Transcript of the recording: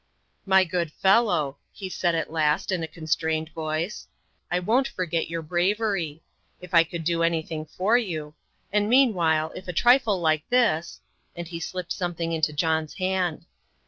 "My good fellow," he said at last, in a constrained voice, "I won't forget your bravery. If I could do anything for you and meanwhile if a trifle like this" and he slipped something into John's hand.